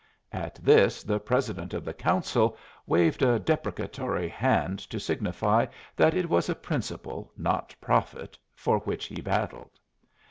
'" At this the President of the Council waved a deprecatory hand to signify that it was a principle, not profit, for which he battled.